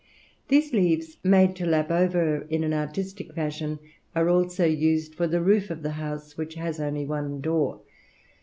These leaves, made to lap over in an artistic fashion, are also used for the roof of the house, which has only one door.